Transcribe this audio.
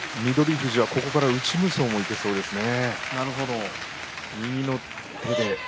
富士はここから内無双もいけそうですね。